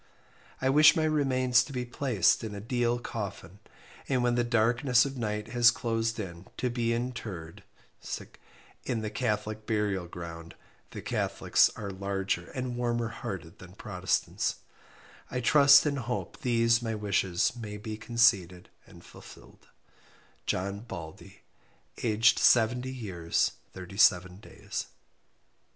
I wish my remains to be placed in a deal coffin, and when the darkness of night has closed in to be intered in the catholic burial ground the catholics are larger and warmer hearted than protestants, I trust and hope these my wishes may be conceded and fulfill'd "JOHN BALDEY "aged 70 years 37 days."